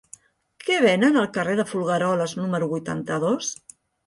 Què venen al carrer de Folgueroles número vuitanta-dos?